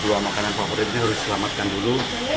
dua makanan favorit ini harus diselamatkan dulu